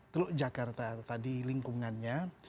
teluk jakarta tadi lingkungannya